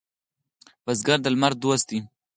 بزګر د لمر دوست دی